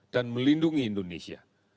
dan melindungi indonesia